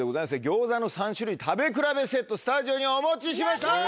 餃子の３種類食べ比べセットスタジオにお持ちしました。